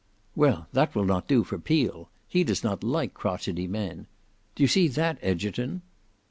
"Well, that will not do for Peel. He does not like crotchetty men. Do you see that, Egerton?"